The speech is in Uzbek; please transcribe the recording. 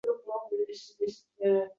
Qizidan xabari bo‘lsa — yarasini yoradi».